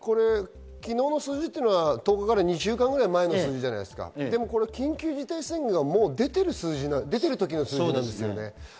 昨日の数字、１０日から２週間前の数字じゃないですか、緊急事態宣言がもう出ている時の数字なんですよね。